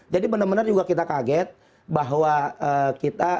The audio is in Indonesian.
jadi benar benar juga kita kaget bahwa kita